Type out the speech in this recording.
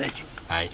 はい。